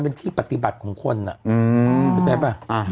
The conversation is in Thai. เป็นชีวิตครับ